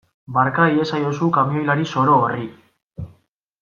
Barka iezaiozu kamioilari zoro horri.